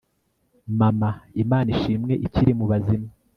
mama, imana ishimwe, ikiri mu bazima